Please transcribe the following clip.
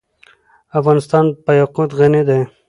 افغانستان په یاقوت غني دی.